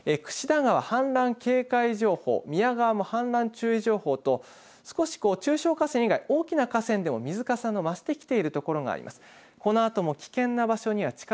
櫛田川、氾濫警戒情報、宮川も氾濫注意情報と少し中小河川以外、大きな河川でも水かさの増してきているところがあります。